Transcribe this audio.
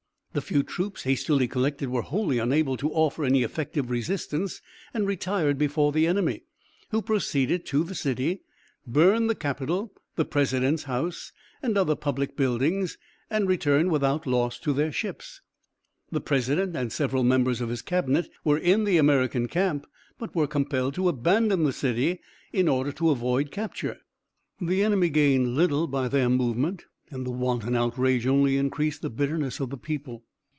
The few troops hastily collected were wholly unable to offer any effective resistance and retired before the enemy, who proceeded to the city, burned the capitol, the president's house, and other public buildings, and returned without loss to their ships. The president and several members of his cabinet were in the American camp, but were compelled to abandon the city in order to avoid capture. The enemy gained little by their movement, and the wanton outrage only increased the bitterness of the people.